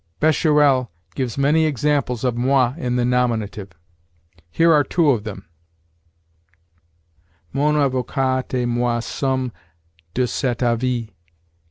Bescherelle gives many examples of moi in the nominative. Here are two of them: "Mon avocat et moi sommes de cet avis.